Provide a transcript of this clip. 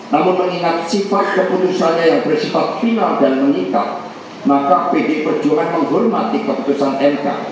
namun mengingat sifat keputusannya yang bersifat final dan mengikat maka pdi perjuangan menghormati keputusan mk